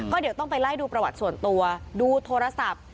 ก็เดี๋ยวต้องไปไล่ดูประวัติส่วนตัวดูโทรศัพท์